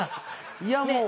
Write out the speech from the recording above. いやもう。